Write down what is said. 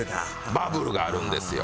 バブルがあるんですよ。